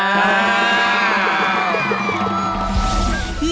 จ้า